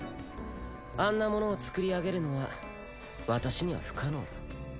あんなものを作りあげるのは私には不可能だ。